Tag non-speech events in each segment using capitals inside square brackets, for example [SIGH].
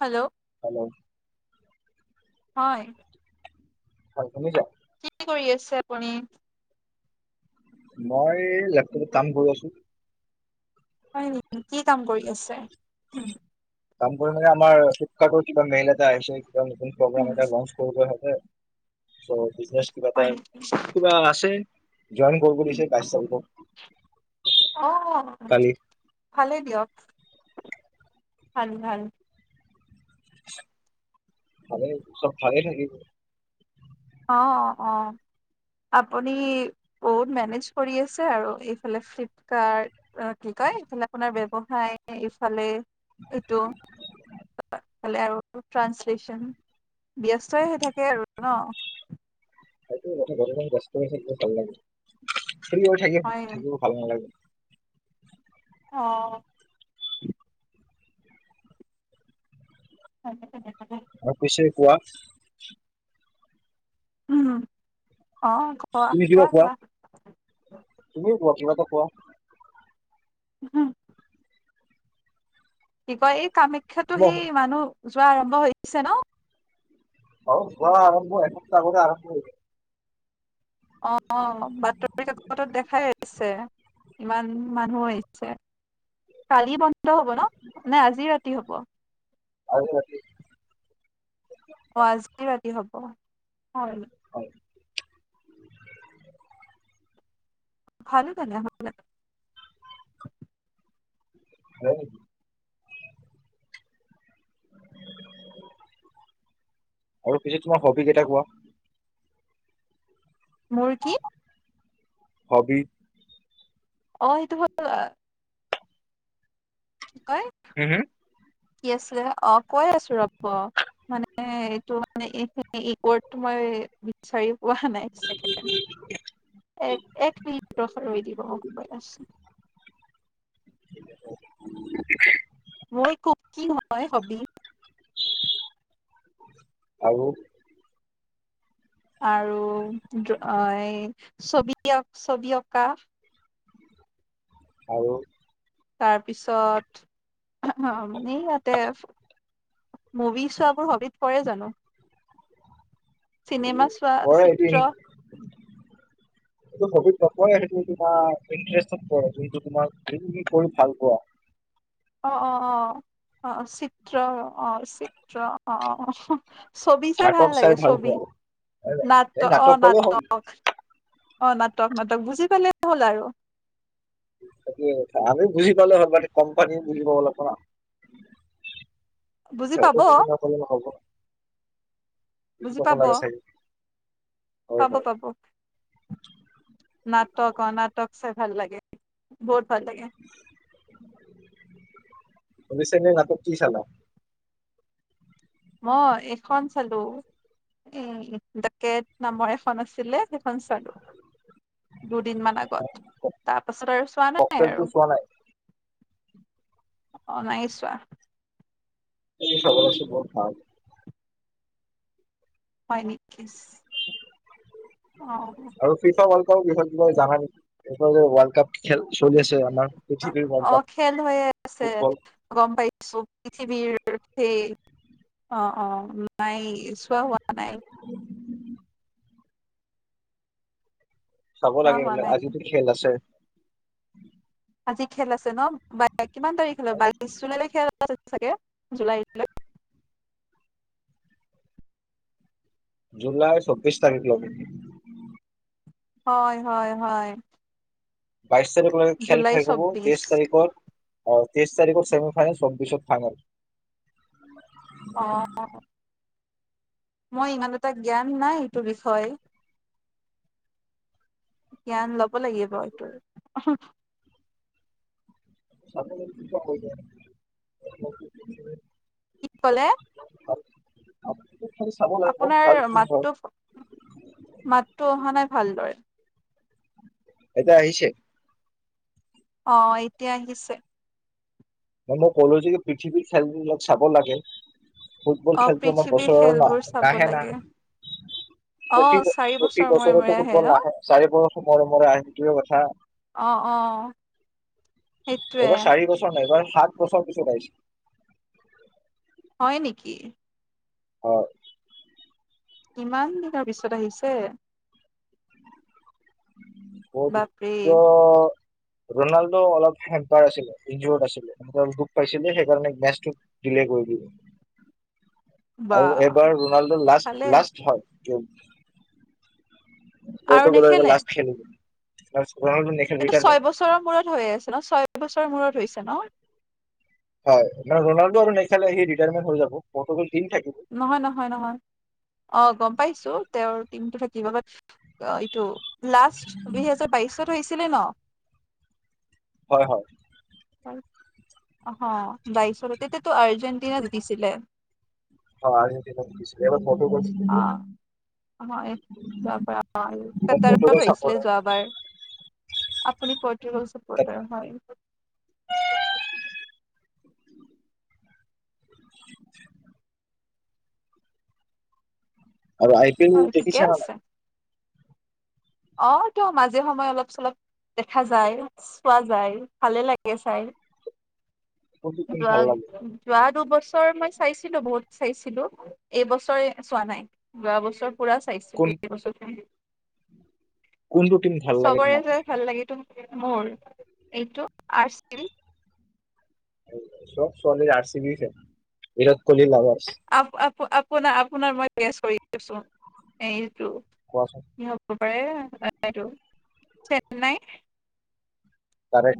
Hello hello. হয়। হয় শুনিছা। কি কৰি আছে আপুনি? মই লেপটপত কাম কৰি আছো। হয় নেকি। কি কাম কৰি আছে? কাম কৰি মানে আমাৰ ফিলিপ-ৰ্কাট কিবা মেইল এটা আহিছে। এ নতুন প্ৰগ্ৰাম এটা লঞ্চ কৰিব লাগে। বিজনেছ কিবা এটা হয় নেকি কিবা আছে। জইন কৰিব দিছে বাইছ তাৰিখৰ অ'অ' ভালেই দিয়ক। ভাল, ভাল। ভালেই চব ভালেই থাকিব। অ' অ' আপুনি বহুত মেনেজ কৰি আছে আৰু এইফালে ফ্লিপকাৰ্ট কি কয় এইফালে আপোনাৰ ব্যবসায় এইফালে সেইটো খালে আৰু ট্ৰাঞ্চলে্চন ব্যস্তই হৈ থাকে আৰু ন সেই টো কথা ঘৰত আৰু ব্যস্ত হৈ থাকিলে ভাল লাগে। ফিৰি হৈ হয় থাকিব ভাল নালাগে। অ হয় তাকে তাকে অ'পিছে কোৱা উম। অ কোৱা তুমি কিবা কোৱা, তুমিয়ে কোৱা কিবা এটা কোৱা। হম [UNINTELLIGIBLE] িক [UNINTELLIGIBLE] এই আাম শিক্ষাতো তোমাৰ সেই মানুহ যোৱা আৰম্ভছে ন? হ, আৰমভ এক্ত আৰৰামভ [UNINTELLIGIBLE] অঁ বাতৰি কাকতত দেখাই আছে, ইমান মানুহ আহিছে, কালি বন্ধ হব ন নে আজি ৰাতি হব? আজি ৰাতি। অঁ হয় হয় [INAUDIBLE] ভাল জানে ভাল [UNINTELLIGIBLE] হয় [INAUDIBLE] আৰু পিছে তোমাৰ হবি কেটা কোৱা! মোৰ কি? হবি? অঁ সেইটো হয় [UNINTELLIGIBLE] বাৰু তেইত [UNINTELLIGIBLE] হম হম কি আছিল, অঁ কৈ আছো ৰব, মানে এইটো মানে ৰিপোৰ্ট, মই বিচাৰি ও অহা নাই, এক ছেকেণ্ড, এক মিনিট ৰহ চুন ৰৈ দিব, মই গৈ আছো। [INAUDIBLE] মোৰ খুব কি হয় হবি [UNINTELLIGIBLE] আৰু? আৰু, ছবি অঁকা আৰু? তাৰ পিছত, ইয়াতে, মুভি চোৱাবোৰ হবিত পৰে জানো? চিনেমা চোৱা প দি চিত্ৰ [UNINTELLIGIBLE] সেইটো হবিত নপৰে, সেইটো তোমাৰ ইন্তাৰেষ্টত পৰে, জনটো তোমাৰ, কি কৰি ভাল পোৱা। অহ-অহ-অহ, অহ চিত্ৰ, অহ চিত্ৰ, অহ-অহ ছবি চাই ভাল লাগে ছবি, এই নাট অঁ'হ নাটক ক'লে হ'ল নাটক। অঁ নাটক নাটক, বুজি পালেই হ'ল আৰু। হেইটোৱে কথা, আমি বুজি পালো হল বাত কোম্পানী বুজি পাব লাগিব না [UNINTELLIGIBLE] সিহঁতে বুজি নাপালে নহব, বুজি পাব লাগে চাগে। হয় হয় পাব-পাব, নাটক অঁ, নাটক চাই ভাল লাগে। বহুত ভাল লাগে। হুনিছেনে নাটক কি চালা? মই এইখন চালো, এ ডাকেত নামৰ এখন আছিলে, সেইখন চালো। দুদিন মান আগত, তাৰ পাছত আৰু চোৱা নাই ককটেল টো আৰু। চোৱা নাই অঁ নাই চোৱা। সব আছ বত ভাল [UNINTELLIGIBLE] হয় নেকি? অ আৰু ফিচা বিষয়ত কিবা জানা নেকি ইফালে ৱাৰ্ল্ড কাপ খেল চলি আছে আমাৰ পৃথিৱীৰ ৱৰ্ল্ড অ কাপ খেল হৈ আছে ফুটবল গম পাইছো পৃথিৱীৰ সেই অ অ নাই চোৱা হোৱা নাই চাব চোৱা লাগে হোৱা বোলে নাই আজিটো খেল আছে উ [UNINTELLIGIBLE] আজি খেল আছে নহ কিমান তাৰিখলৈ বাইছ জুলাই লৈকে আৰু খেল চাগে জুলাই এবিলাক জুলাই ছব্বিশ তাৰিখ লৈকে হয় হয় হয় বাইশ তাৰিখলৈ খেল জুলাই খেলব চৌব্বিশ তেইশ তাৰিখত অ তেইছ তাৰিখত ছেমি ফাইনেল চব্বিশত ফাইনেল। অহ মই ইমান এটা জ্ঞান নাই এইটো বিষয়ে জ্ঞান লব হ'ব লাগিব এইটো উম হো চব হৈ যায় কি কলে? হয় অ [UNINTELLIGIBLE] লাগে বহুত আপোনাৰ ভাল খেল মাতটো মাতটো অহা নাই ভালদৰে। এতিয়া আহিছে। অ এতিয়া আহিছে। ম মই কলো যে পৃথিৱীৰ খেলবিলাক চাব লাগে। ফুটবল অ খেলটো আমাৰ পৃথিৱীৰ খেলবোৰ বছৰে চাব নাহে না লাগে অ প্ৰতি চাৰি প্ৰতি বছৰ মূৰে বছৰতো মূৰে আহে ফুটবল ন নাহে চাৰি বছৰৰ মূৰে মূৰে আহে সেইটোৱে কথা অ অ সেইটোৱে এইবাৰ চাৰি বছৰ নাই এইবাৰ সাত বছৰ পিছত আহিছে হয় নেকি হয় কিমান দিনৰ পিছত আহিছে? কবিংশ বাপৰে [UNINTELLIGIBLE] ৰনাল্ডো অলপ হেম্পাৰ আছিলে নিউ আছিলে দুখ পাইছিলে সেইকাৰণে মেচটো দিলে কৰি দিব বা আৰু এবাৰ ৰোনাল্ডো ভালে লাষ্ট লাষ্ট হয় টো আৰু পৰ্তুগাল এইবাৰ নেখেলে লাষ্ট খেলিম। তাৰপাছত। এইটো ছয় বছৰৰ মূৰত হৈয আছে ন ছয় বছৰৰ মূৰত হৈছে ন হয় মানে ৰোনাল্ডো আৰু নেখালে সি ৰিটায়াৰমেট হৈ যাব। [UNINTELLIGIBLE] ব ত [UNINTELLIGIBLE] নহয় নহয় নহয় অ গম পাইছো তেওঁৰ টীমটো থা কি বাবা এইটো লাষ্ট দুই হোজাৰ বাইশত ছিলে ন হয় হয় হয় অ বাইছলৈ তেতিয়াতো আৰ্জেণ্টিনা জিকিছিলে অ আহিছিল এবাৰ ফটো কৰিছিল অ হয় যোৱাবাৰ মোৰ কাটাৰত ফটো চাব হৈছিলে যোৱাবাৰ আপুনি পৰ্ট্ৰিকেল চাপৰ্টাৰ হয় আৰু আই পি এল হয় ঠিকে দেখিছা না নাই আছে অ তো মাজে সময়ে অলপ চলপ দেখা যায় চোৱা যায় ভালে লাগে চাই কোনটো টিম ভাল লাগে যোৱা দুবছৰ মই চাইছিলো বহুত চাইছিলো এইবছৰ চোৱা নাই যোৱা বছৰ পুৰা চাই কোন ছিলো [UNINTELLIGIBLE] কোনটো টিম ভাল লাগে চবৰে তোমাক যে ভাল লাগেটো মোৰ এইটো আছিল চব ছোৱালী R C B Virat Kohli lover [UNINTELLIGIBLE] আ আ [UNINTELLIGIBLE] আপোনাক মই ৰেকুৱেস্ত কৰি আছো এই কোৱাছোন এহ নাই টো চেন্নাই তাৰে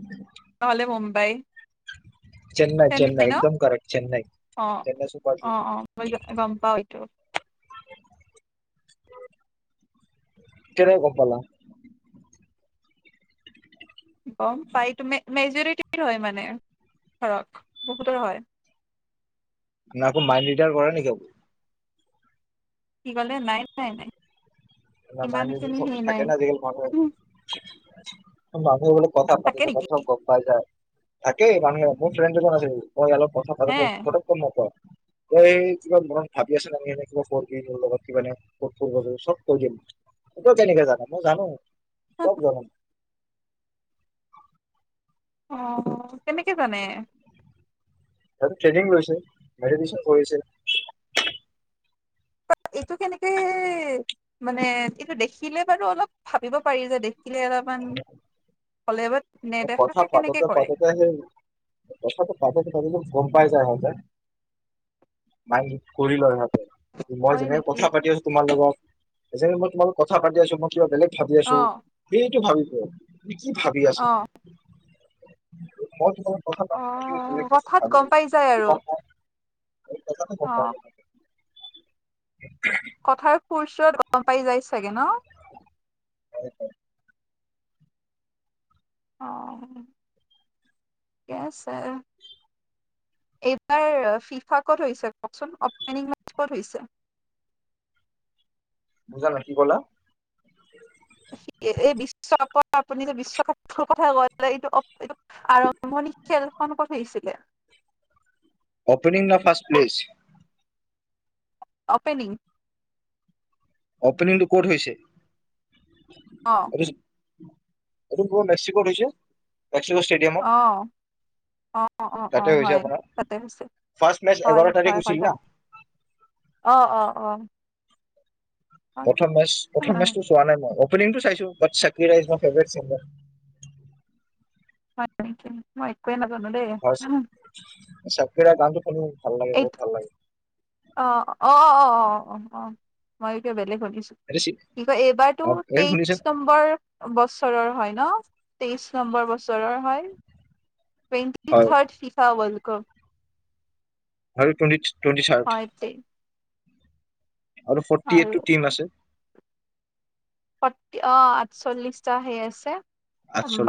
নহলে মুম্বাই চেন্নাই চেন্নাই একদম কৰেক্ত চেন্নাই অ চেন্নাই চুপাৰ অ টিম অ মই গম পাও এইটো কেনেকৈ গম পালা বম ফাইট ম [UNINTELLIGIBLE] এৰিতেদ হয় মানে ধৰক বহুতৰ হয় [UNINTELLIGIBLE] আপোনাৰো মাইণ্ড ৰিটায়াৰ কৰে নেকি অব কি ক'লে নাই নাই নাই ন মাই ইমান খিনি চব সেই থাকে নাই ন আজিকালি মান উম, [UNINTELLIGIBLE] তৰ মাকৰ বোলে কথা পাতি থাকে থকা নেকি চব গম পাই যায় থাকে মানুহে মোৰ ফ্ৰেণ্ড এজন আছে। অ অলব পইচা হে পালে ফোন নকৰে। এই কিবা মনত ভাবি আছে নি কিবা কৰবি কৰ লগত কত ফুৰ্বা যাব চব। কৈ দিম ত কেনেকে জানা মই জানো। খুব গৰম। [INAUDIBLE] অ কেনেকে জানে? ট্ৰেনিং লৈছে ভাৰিফিকেচন কৰিছে। এইটো কেনেকে মানে এইটো দেখি থাকিলে বাৰু অলপ ভাবিব পাৰি যে দেই। থিলে অলপমান হলে বা কথা নেদেখাকে কেনেকে কৰে? পাতোতে-পাতোতে সেই কথাটো পাতোতে প গম পাই যায় সঁতে মাই কৰি লয় হট, মই হয় যেনেক নেকি? কথা পাতি আছো তোমাৰ লগত সেই মই তোম কথা পাতি আছো মই কিব বেলেগ ভাতি আছো, অ', সেইটো ভাবি অও তুমি কি ভাবি আছা? অ', [UNINTELLIGIBLE] মই তোমাৰ কথা পাতি অ', আছো কথাত ভাবি গম আছোঁ পাই যায় তুমি আৰু গম পোৱানে কথাটো গম অ', পোৱা। চত পাই যাই চাগে ন। যাবা অ ঠিকে আছে এইবাৰ ফিফা ক'ত হৈছে কওকচোন অপেনিং ক'ত হৈছে? বুজা নাই কি কলা? এই বিশ্বকাপৰ আপুনি যে বিশ্বকাপ কথা ক' এইটো এইটো আৰম্ভণি খেল খন কত হৈছিলে? অপনিং নে ফাৰ্ষ্ট প্লেচ? অপেনিং। অ'পেনিংটো ক'ত হৈছে। অ, এইটো এইটো ক মে্সিকোত হৈছে। লক্ষ [UNINTELLIGIBLE] ষ্টেডিয়ম অঁ-অঁ-অঁ হয় তাতে হৈছে। ফাৰ্ষ্ট মেচ এঘাৰ তাৰিখ হয়-হয়-হয় হৈছিল ত না অঁ-অঁ-অঁ, প্ৰথম মেচ প্ৰথম হয়। মেচটো চোৱা নাই মই। অপেনিং টো চাইছোঁ বাত ছাকিৰা ফেভাৰিট চিংগাৰ। হয় [UNINTELLIGIBLE] মই একো ন হৈছে ছাকিৰাৰ গানো শুনি ভাল লাগে, বহুত ভাল লাগে। অহ, অ', অ', অ', অ', অ'। মইটো বলেগ কৰি এইটো চি কি কয় এইবাৰতো এই শুনিছে তেইশ নম্বৰ বছৰ বছৰৰ হয় ন? তেইশ নম্বৰ বছৰৰ হয়। টেণ্টি হয় থড শিফাৱল এক ভাল টোৱে-টুৱেন্টি থাৰ্ড তে আৰু ফৰ্টি এইটটো টিম আছে। সত অ', আঠচল্লিশটা সেই আছে।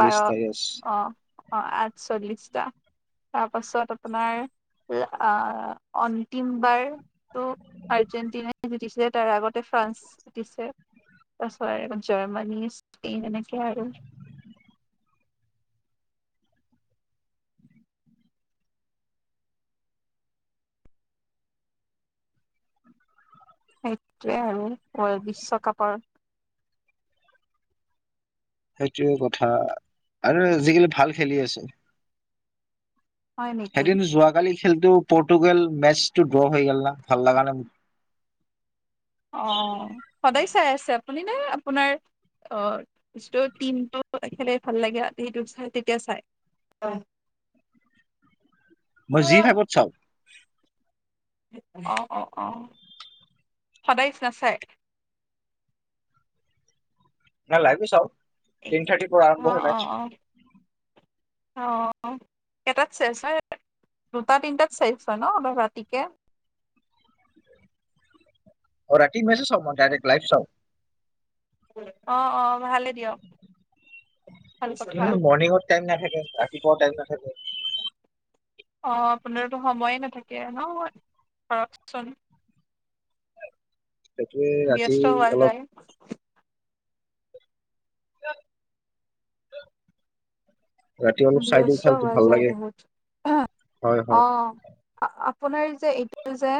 বাৰ অ', য়েছ অ', আঠচল্লিশ তাৰপাছত আপোনাৰ আহ অ তিমবাৰ তটো আৰ্জেণ্টিনাই জুতিছিল তাৰ আগতে ফ্ৰান্স দিছে। তাৰ জাৰ্মানী স্পেইন এনেকে আৰু। সেইটোৱে আৰু ৱৰ্ল্ড বিশ্বকাপৰ সেইটোৱে কথা আৰু আজিকালি ভাল খেলি আছে। হয় নেকি? সেইদিন যোৱাকালি খেলটো পৰ্তুগাল মেচটো ড্ৰ হৈ গল না ভাল লাগা না অ', সদায় চাই আছে আপুনি নে? আপোনাৰ আহ যি টিমটো খেলে, ভাল লাগে সেইটো চাই তেতিয়া চাই? মই যি ভাগত চাওঁ। অ', অ', অ', সদায় নাচাই। নাই লাইভ চাও। টেন থাৰ্টিৰ পৰা আৰম্ভ অ', হয় অ', মেচ। অ', অ', কেইটাত চেচ হয়? দুটা তিনিটাত চেজ হয় ন? অলপ ৰাতিকে। ৰাতি মেজ চাও মই ডাইৰেক্ট লাইভ চাও। অ', অ'। ভালে দিয়ক ভাল কথা মৰ্নিংত টাইম নাথাকে, ৰাতিপুৱাও টাইম নাথাকে। অ', আপুনাৰটো সময়ে নাথাকে ন? ধৰকচোন। সেইটোৱে ৰাতি ব্যস্ত হোৱা যায়। অলপ চ ৰাতি অলপ চাই দিওঁ ব্যস্ত খেলটো হোৱা ভাল যায় লাগে বহুত। অ', হয় আ হয় আপোনাৰ যে এইটো যে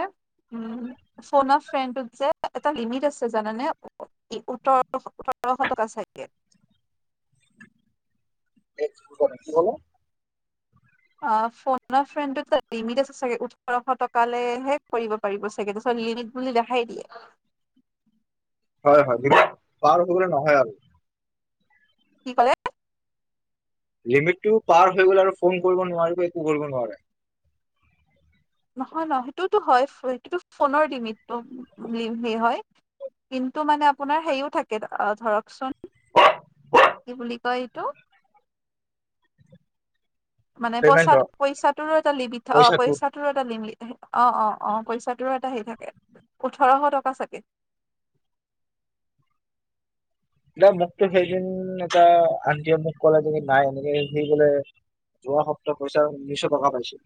ফোন এ ফ্ৰেইণ্ড টো যে এটা লিমিট আছে জানে নে? উঠৰশ টকা চাগে। এই কি কি হলো। অ', ফোনৰ ফেণ্ত লিমিট আছে চাগে ওঠৰশ টকালেহে কৰিব পাৰিব চাগে তাৰপিচত লিমিট বুলি লখাই দিয়ে। হয় হয় পাৰ হবলে নহয় আৰু কি ক'লে লিমিটটো পাৰ হৈ গ'ল আৰু ফোন কৰিব নোৱাৰিব একো কৰিব নোৱাৰে নহয় নহয় সেইটোতো হয় সেইটো ফোনৰ লিমিটটো হয় কিন্তু মানে আপোনাৰ হেৰিও থাকে আ ধৰকচোন কি বুলি কয় এইটো মানে পইচা পেমেন্টৰ পইচাটোৰো এটা লিমি অ পইচাটো পইচা টোৰো এটা লিমি অ অ অ পইচাটোৰো এটা হেই থাকে ওঠৰশ টকা চাগে না মোকতো সেইদিন এটা আনটিয়ে মোক ক'লে যে নাই এনেকে সি বোলে যোৱা সপ্তাহ পইচা উনৈশ টকা পাইছে